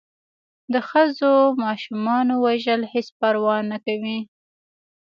د ښځو و ماشومانو وژل هېڅ پروا نه کوي.